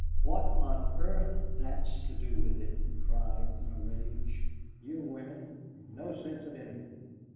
"What on earth's that to do with it?" he cried in a rage. "You women! You've no sense of anything!